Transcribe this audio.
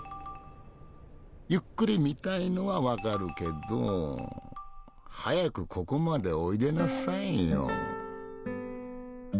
ゆっくり見たいのは分かるけど早くここまでおいでなさいよ。